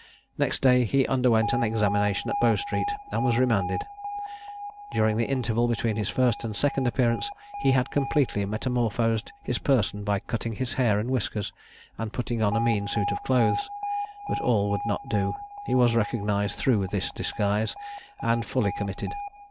Next day he underwent an examination at Bow Street, and was remanded. During the interval between his first and second appearance he had completely metamorphosed his person by cutting his hair and whiskers, and putting on a mean suit of clothes. But all would not do; he was recognised through his disguise, and fully committed.